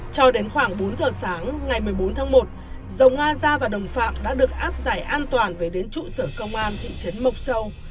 cho đến khoảng bốn giờ sáng ngày một mươi bốn tháng một dầu nga gia và đồng phạm đã được áp giải an toàn về đến trụ sở công an thị trấn mộc châu